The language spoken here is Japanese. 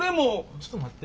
ちょっと待って。